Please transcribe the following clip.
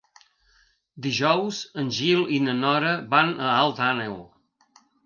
Dijous en Gil i na Nora van a Alt Àneu.